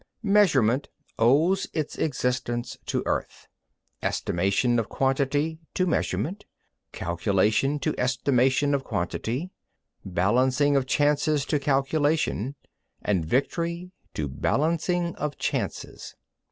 18. Measurement owes its existence to Earth; Estimation of quantity to Measurement; Calculation to Estimation of quantity; Balancing of chances to Calculation; and Victory to Balancing of chances.